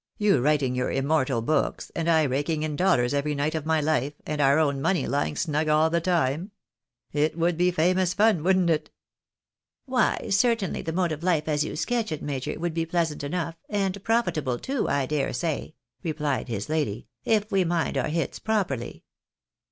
you writing your immortal books, and I raking in dollars every night of my life, and our own money lying snug all the time ? It would be famous fun, wouldn't it ?"" Why, certainly the mode of life as you sketch it, major, would be pleasant enough, and profitable too, I dare say," replied hia lady, " if we mind our hits properly.